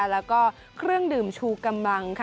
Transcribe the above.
แล้วก็เครื่องดื่มชูกำลัง